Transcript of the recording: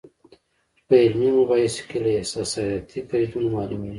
په علمي مباحثو کې له احساساتي قیدونو معلومېږي.